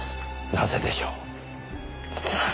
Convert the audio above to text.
なぜでしょう？さあ。